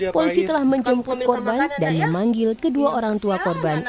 polisi telah menjemput korban dan memanggil kedua orang tua korban